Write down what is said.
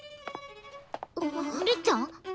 りっちゃん？